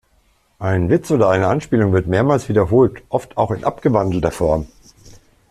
Ein Witz oder eine Anspielung wird mehrmals wiederholt, oft auch in abgewandelter Form.